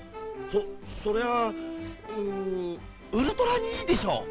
そそりゃあうウルトラにいいでしょう。